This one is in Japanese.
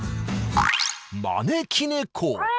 招き猫！